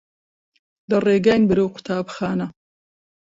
لە ڕێگاین بەرەو قوتابخانە.